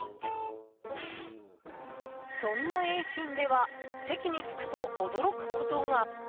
そんな永新では席に着くと驚くことが！